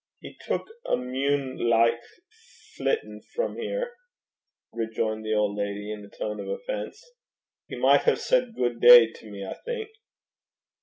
'He tuik a munelicht flittin' frae here,' rejoined the old lady, in a tone of offence. 'He micht hae said gude day to me, I think.'